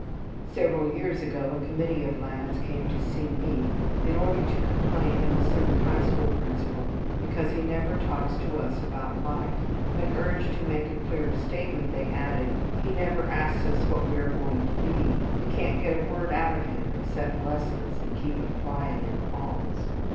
Several years ago a committee of lads came to see me in order to complain of a certain high school principal because "He never talks to us about life." When urged to make a clearer statement, they added, "He never asks us what we are going to be; we can't get a word out of him, excepting lessons and keeping quiet in the halls."